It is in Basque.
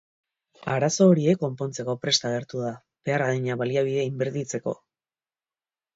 Arazo horiek konpontzeko prest agertu da behar adina baliabide inbertitzeko.